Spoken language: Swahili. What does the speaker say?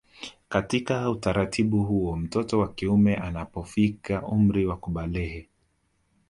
Katika utaratibu huo mtoto wa kiume anapofikia umri wa kubalehe